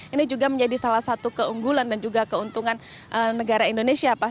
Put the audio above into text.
ini juga menjadi salah satu keunggulan dan juga keuntungan negara indonesia